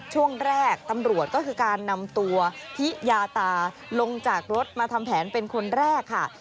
ช่วงแรกตำรวจก็คือการนำตัวทิยาตาลงจากรถมาทำแผนเป็นคนแรกค่ะ